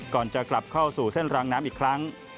ก่อนจะกลับเข้าสู่เส้นรางน้ำอีกครั้ง